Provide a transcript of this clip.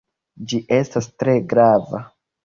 Ĝi estas tre grava.